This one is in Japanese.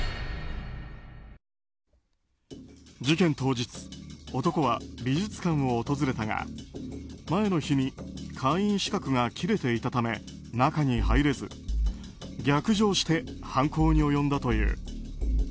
事件当日、男は美術館を訪れたが前の日に会員資格が切れていたため中に入れず逆上して犯行に及んだという。